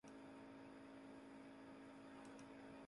Para Sam, Rosita representa el hogar.